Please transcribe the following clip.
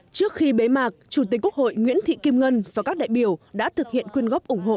trước khi bế mạc chủ tịch quốc hội nguyễn thị kim ngân và các đại biểu đã thực hiện quyên góp ủng hộ